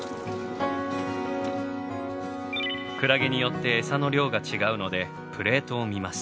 クラゲによってエサの量が違うのでプレートを見ます。